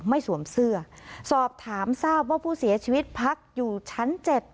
สวมเสื้อสอบถามทราบว่าผู้เสียชีวิตพักอยู่ชั้น๗